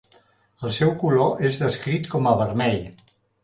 El seu color és descrit com a vermell.